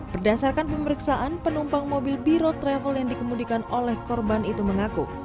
berdasarkan pemeriksaan penumpang mobil biro travel yang dikemudikan oleh korban itu mengaku